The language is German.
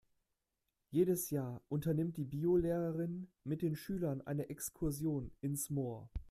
Jedes Jahr unternimmt die Biolehrerin mit den Schülern eine Exkursion ins Moor.